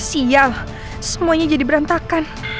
sial semuanya jadi berantakan